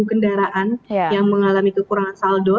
kendaraan yang mengalami kekurangan saldo